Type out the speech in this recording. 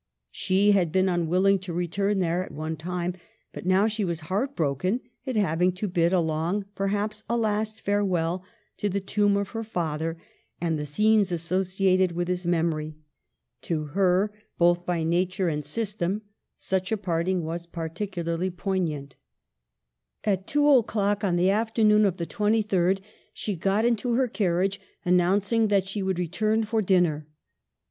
She had been unwilling to return there at one time, but now she was heart broken at having to bid a long, perhaps a last, farewell to the tomb of her father and the scenes associated with his memory. To her, both by nature and system, such a parting was particularly poignant. At 2 o'clock on the afternoon of the 23rd, she got into her carriage, announcing that she would return for dinner.